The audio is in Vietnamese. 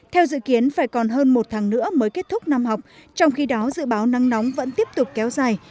theo dự kiến phải còn hơn một tháng nữa mới kết thúc năm học trong khi đó dự báo nắng nóng vẫn tiếp tục kéo dài